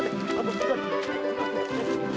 ini gua ngapain disini situ lagi